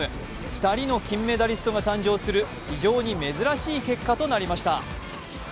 ２人の金メダリストが誕生する非常に珍しい結果となりました。